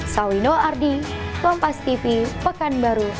sawi no ardi pompas tv pekan baru riau